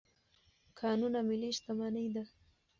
کانونه ملي شتمني ده.